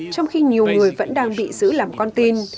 trong khi nhiều người vẫn đang bị giữ làm con tin